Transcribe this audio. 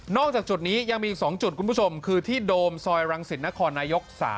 จากจุดนี้ยังมีอีก๒จุดคุณผู้ชมคือที่โดมซอยรังสิตนครนายก๓